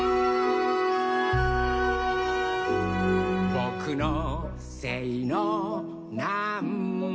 「ぼくのせいのなんばいも」